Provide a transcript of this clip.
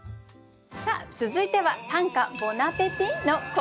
さあ続いては「短歌ボナペティ」のコーナーです。